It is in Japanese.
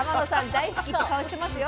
大好きって顔してますよ。